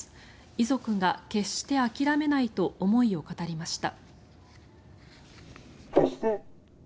遺族が決して諦めないと思いを語りました。